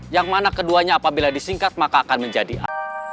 yang mana keduanya apabila disingkat maka akan menjadi a